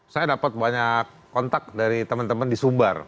saya dapat banyak kontak dari teman teman di sumbar